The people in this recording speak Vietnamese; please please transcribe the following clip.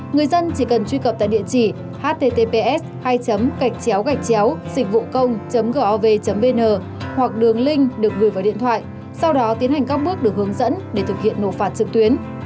người dân chỉ cần truy cập tại địa chỉ https hai gạch chéo gạch chéo dịchvucông gov vn hoặc đường link được gửi vào điện thoại sau đó tiến hành các bước được hướng dẫn để thực hiện nộp phạt trực tuyến